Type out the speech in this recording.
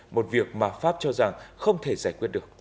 một việc mà pháp cho rằng không thể giải quyết được